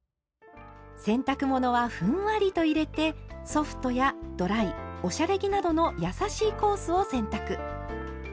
洗濯物はふんわりと入れて「ソフト」や「ドライ」「おしゃれ着」などのやさしいコースを選択。